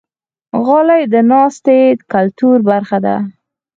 غالۍ د ناستې کلتور برخه ده.